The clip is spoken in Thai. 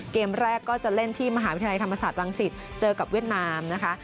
เกมแรกก็จะเล่นที่มหาวิทยาลัยธรรมศาสตรังสิตเจอกับเวียดนามนะคะ